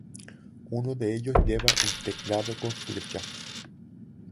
Uno de ellos lleva un teclado con flechas.